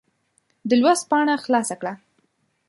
د لوست پاڼه خلاصه کړه.